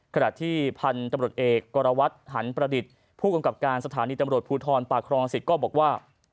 ขณะที่พันธุ์ตำรวจเอกกรวัตรหันประดิษฐ์ผู้กำกับการสถานีตำรวจภูทรปากครองสิทธิ์ก็บอกว่า